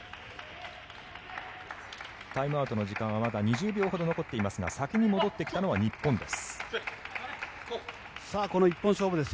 タイムアウトの時間はまだ２０秒ほど残っていますが先に戻ってきたのは日本です。